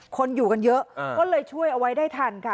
คนอยู่กันเยอะก็เลยช่วยเอาไว้ได้ทันค่ะ